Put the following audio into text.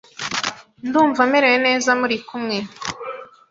Ndumva merewe neza muri kumwe.